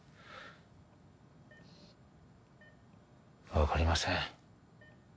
分かりません